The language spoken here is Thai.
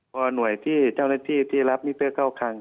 พอหน่วยที่เจ้าหน้าที่ที่รับมิเตอร์เข้าคัง